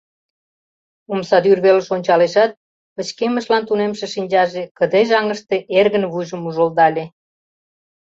Омсадӱр велыш ончалешат, пычкемышлан тунемше шинчаже кыдеж аҥыште эргын вуйжым ужылдале.